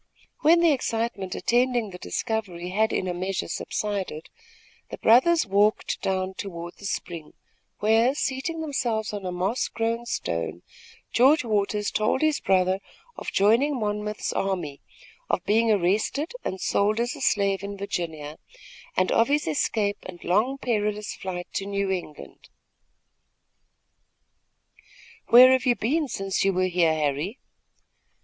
When the excitement attending the discovery had in a measure subsided, the brothers walked down toward the spring, where, seating themselves on a moss grown stone, George Waters told his brother of joining Monmouth's army, of being arrested and sold as a slave in Virginia, and of his escape and long perilous flight to New England. "Where have you been since you were here, Harry?"